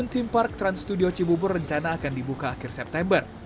team park trans studio cibubur rencana akan dibuka akhir september